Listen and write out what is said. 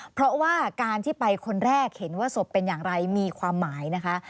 เพราะว่าการที่ไปคนแรกเห็นว่าศพเป็นอย่างไรมีความหมายนะคะ